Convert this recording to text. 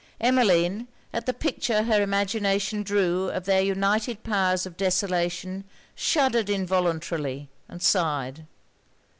Emmeline, at the picture her imagination drew of their united powers of desolation, shuddered involuntarily and sighed.